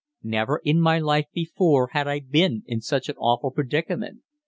Never in my life before had I been in such an awful predicament.